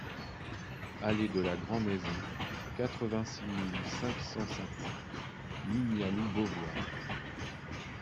Allée de la Grand'Maison, quatre-vingt-six mille cinq cent cinquante Mignaloux-Beauvoir